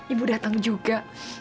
ibu datang juga